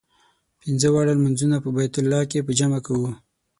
پنځه واړه لمونځونه په بیت الله کې په جمع کوو.